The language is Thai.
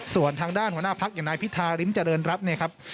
ส่วนทางด้านหัวหน้าภักษ์อย่างนายพิธาริมเจริญรับ